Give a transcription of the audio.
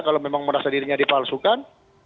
kalau memang merasa dirinya dipalsukan